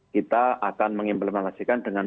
kita akan mengimplementasikan dengan